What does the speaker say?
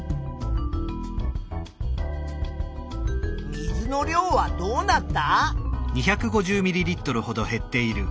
水の量はどうなった？